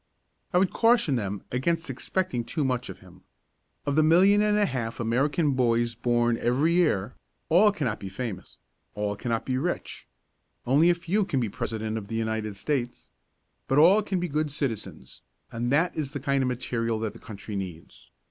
I would caution them against expecting too much of him. Of the million and a half of American boys born every year, all cannot be famous all cannot be rich. Only a few can be President of the United States. But all can be good citizens, and that is the kind of material that the country needs.